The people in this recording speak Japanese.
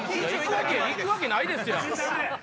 行くわけないですやん！